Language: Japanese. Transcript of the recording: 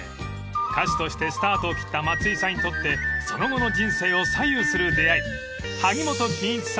［歌手としてスタートを切った松居さんにとってその後の人生を左右する出会い萩本欽一さん